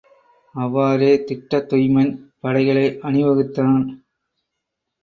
அவ்வாறே திட்டத் துய்மன் படைகளை அணிவருத்தான்.